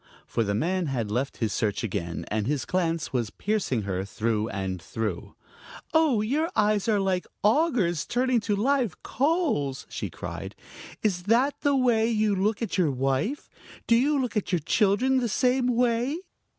For the man had left his search again, and his glance was piercing her through and through. "Oh, your eyes are like augers turning to live coals!" she cried. "Is that the way you look at your wife? Do you look at your children the same way?"